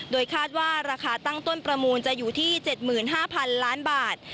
โดยคาดว่าราคาตั้งต้นประมูลจะอยู่ที่๗๕๐๐๐ล้านบาท